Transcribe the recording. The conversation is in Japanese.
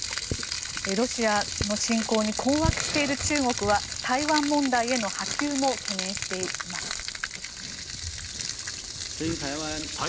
ロシアの侵攻に困惑している中国は台湾問題への波及も懸念しています。